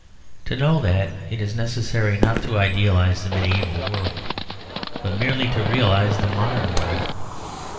To know that, it is necessary not to idealise the medieval world, but merely to realise the modern world.